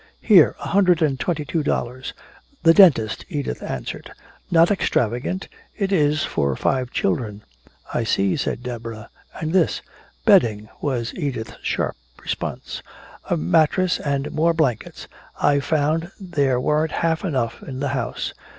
"Here. A hundred and twenty two dollars." "The dentist," Edith answered. "Not extravagant, is it for five children?" "I see," said Deborah. "And this?" "Bedding," was Edith's sharp response. "A mattress and more blankets. I found there weren't half enough in the house."